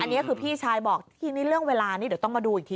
อันนี้คือพี่ชายบอกทีนี้เรื่องเวลานี้เดี๋ยวต้องมาดูอีกที